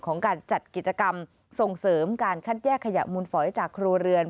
ของการจัดกิจกรรมส่งเสริมการคัดแยกขยะมูลฝอยจากครัวเรือน